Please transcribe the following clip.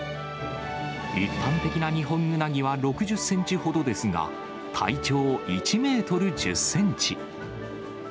一般的なニホンウナギは６０センチほどですが、体長１メートル１０センチ。